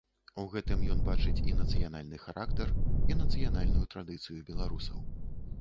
У гэтым ён бачыць і нацыянальны характар, і нацыянальную традыцыю беларусаў.